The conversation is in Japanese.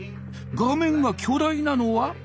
画面が巨大なのは？